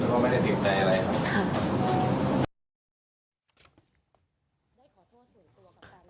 เพราะว่าไม่ได้ผิดใจอะไรครับ